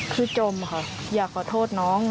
คือจมค่ะอยากขอโทษน้อง